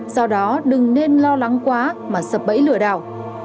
do đó đừng nên lo lắng quá mà sập bẫy lừa đảo